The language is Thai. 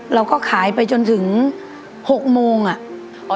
เราก็ขายไปจนถึง๖โมงอะ